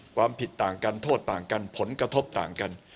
ความผิดต่างกันโทษต่างกันผลกระทบต่างกัน